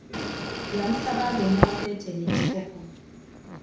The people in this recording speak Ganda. Yamusaba agende amuleetere ekikopo.